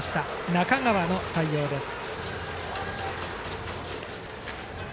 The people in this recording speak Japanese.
中川の対応です。